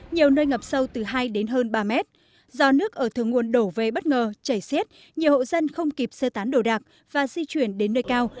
nhiều nơi ngập sâu từ hai đến hơn ba mét do nước ở thượng nguồn đổ về bất ngờ chảy xiết nhiều hộ dân không kịp sơ tán đồ đạc và di chuyển đến nơi cao